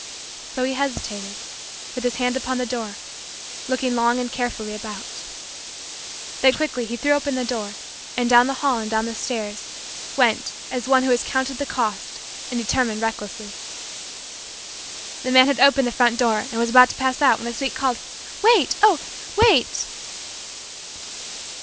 So he hesitated, with his hand upon the door, looking long and carefully about. Then quickly he threw open the door and, down the hall and down the stairs, went as one who has counted the cost and determined recklessly. [Illustration: Two dimpled arms went around his neck] The man had opened the front door and was about to pass out when a sweet voice called: "Wait, oh, wait."